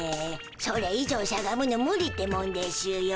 それ以上しゃがむの無理ってもんでしゅよ。